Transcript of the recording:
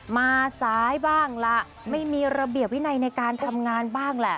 มาซ้ายบ้างล่ะไม่มีระเบียบวินัยในการทำงานบ้างแหละ